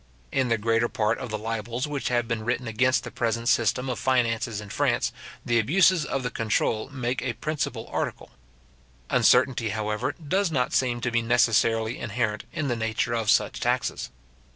In the greater part of the libels which have been written against the present system of finances in France, the abuses of the controle make a principal article. Uncertainty, however, does not seem to be necessarily inherent in the nature of such taxes.